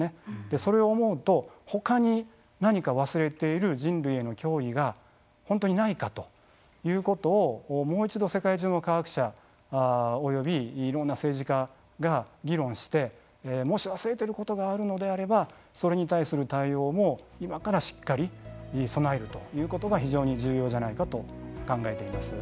それを思うとほかに何か忘れている人類への脅威が本当にないかということをもう一度世界中の科学者およびいろんな政治家が議論してもし忘れていることがあるのであればそれに対する対応も今からしっかり備えるということが非常に重要じゃないかと考えています。